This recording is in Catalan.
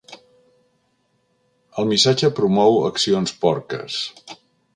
El missatge promou accions porques.